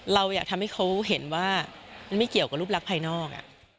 เราอยากทำให้เขาเห็นว่ามันไม่เกี่ยวกับรูปลักษณ์ภายนอก